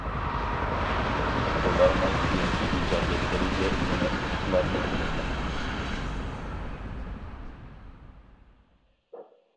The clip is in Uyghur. ئۇلارنىڭ كېيىنكى ئىجادىيەتلىرىگە يېڭى ئۇتۇقلارنى تىلەيمەن.